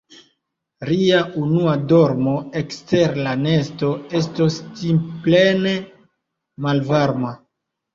Ria unua dormo ekster la nesto estos timplene malvarma.